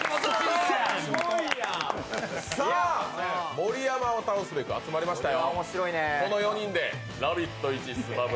盛山を倒すべく集まりましたよ。